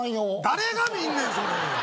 誰が見んねんそれ！